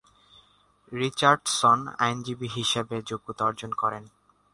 Richardson আইনজীবী হিসেবে যোগ্যতা অর্জন করেন।